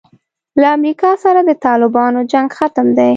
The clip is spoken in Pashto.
له امریکا سره د طالبانو جنګ ختم دی.